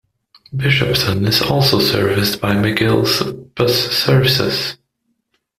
Bishopton is also serviced by McGill's Bus Services.